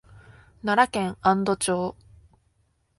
奈良県安堵町